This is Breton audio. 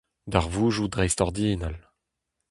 Darvoudoù dreistordinal.